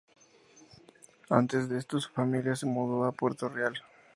Antes de esto su familia se mudo a Puerto Real.